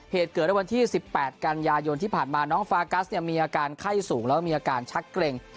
เหตุเกิดในวันที่๑๘กันยายนที่ผ่านมาน้องฟากัสเนี่ยมีอาการไข้สูงแล้วมีอาการชักเกร็ง